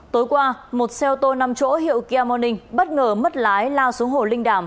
tối qua một xe ô tô năm chỗ hiệu kia morning bất ngờ mất lái lao xuống hồ linh đàm